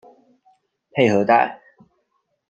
佩和代。